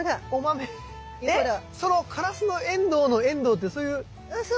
そのカラスノエンドウのエンドウってそういうエンドウ豆とかの？